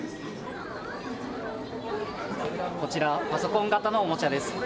こちらパソコン型のおもちゃです。